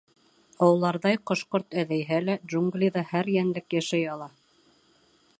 Ауларҙай ҡош-ҡорт әҙәйһә лә, джунглиҙа һәр йәнлек йәшәй ала.